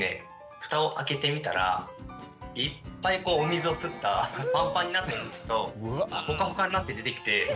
ふたを開けてみたらいっぱいお水を吸ったパンパンになったオムツとホカホカになって出てきて。